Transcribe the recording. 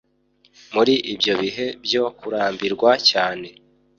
muri ibyo bihe byo kurambirwa cyane